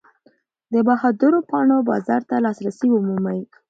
د بهادرو پاڼو بازار ته لاسرسی ومومئ.